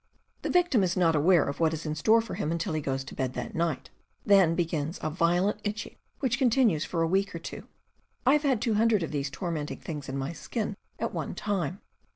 The victim is not aware of what is in store for him until he goes to bed that night. Then begins a violent itching, which continues for a week or two. I have had two hundred of these tormenting things in my skin at one time.